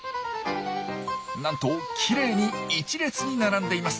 なんときれいに１列に並んでいます。